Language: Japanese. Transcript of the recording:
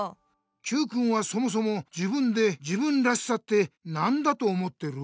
Ｑくんはそもそも自分で「自分らしさ」って何だと思ってる？